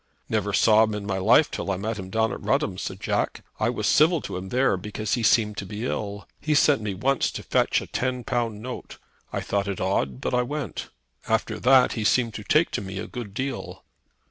"Never saw him in my life till I met him down at Rudham," said Jack. "I was civil to him there because he seemed to be ill. He sent me once to fetch a ten pound note. I thought it odd, but I went. After that he seemed to take to me a good deal."